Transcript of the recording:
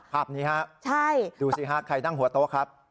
ภาพนี้ฮะดูสิฮะใครนั่งหัวโต๊ะครับ